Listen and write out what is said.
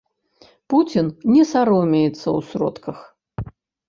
Пуцін не саромеецца ў сродках.